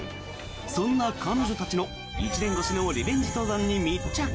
そんな彼女たちの１年越しのリベンジ登山に密着。